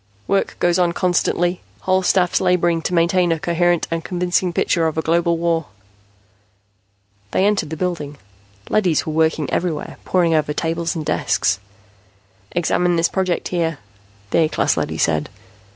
"Work goes on constantly, whole staffs laboring to maintain a coherent and convincing picture of a global war." They entered the building. Leadys were working everywhere, poring over tables and desks. "Examine this project here," the A class leady said.